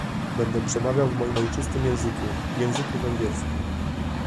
Będę przemawiał w moim ojczystym języku, w języku węgierskim